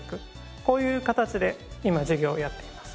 こういう形で今事業をやっています。